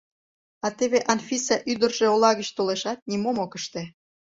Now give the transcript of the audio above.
А теве Анфиса ӱдыржӧ ола гыч толешат, нимом ок ыште...